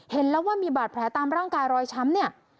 เห็นแล้วว่ามีบาดแผลตามร่างกายรอยช้ำเนี่ย